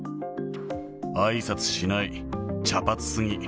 あいさつしない、茶髪すぎ。